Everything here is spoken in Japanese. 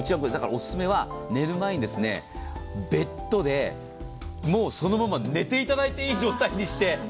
オススメは寝る前にベッドで、もうそのまま寝ていただいていい状態にして。